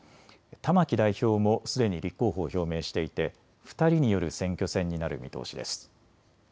玉木代表もすでに立候補を表明していて、２人による選挙戦になる見通しです。